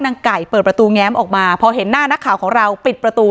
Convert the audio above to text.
นางไก่เปิดประตูแง้มออกมาพอเห็นหน้านักข่าวของเราปิดประตู